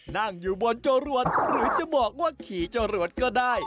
นั่งอยู่บนจรวดหรือจะบอกว่าขี่จรวดก็ได้